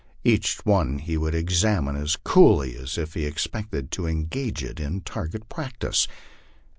Each one he would examine as coolly as if he expected to engage in. target practice.